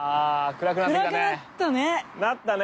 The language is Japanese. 暗くなったね。